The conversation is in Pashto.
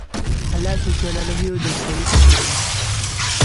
الله ج یو دی شریک نه لری